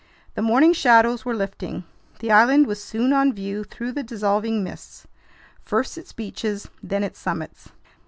The morning shadows were lifting. The island was soon on view through the dissolving mists, first its beaches, then its summits.